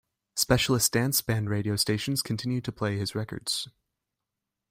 Specialist dance band radio stations continue to play his records.